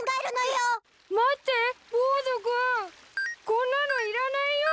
こんなのいらないよ！